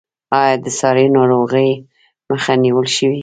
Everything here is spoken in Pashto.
آیا د ساري ناروغیو مخه نیول شوې؟